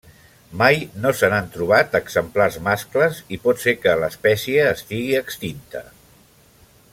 Mai no se n'han trobat exemplars mascles i pot ser que l'espècie estigui extinta.